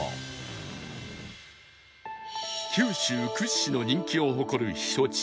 九州屈指の人気を誇る避暑地